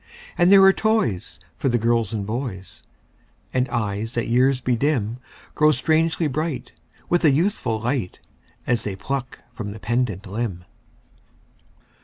And there are toys for the girls and boys; And eyes that years bedim Grow strangely bright, with a youthful light, As they pluck from the pendant limb.